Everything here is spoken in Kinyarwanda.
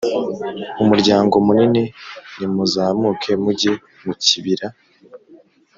umuryango munini nimuzamuke mujye mu kibira